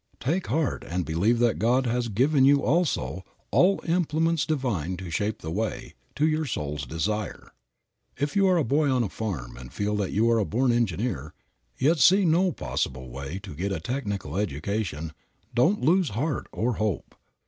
Take heart and believe that God has given you also "all implements divine to shape the way" to your soul's desire. If you are a boy on a farm and feel that you are a born engineer, yet see no possible way to get a technical education, don't lose heart or hope.